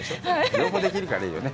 両方できるから、いいよね。